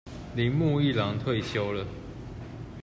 鈴木一朗退休了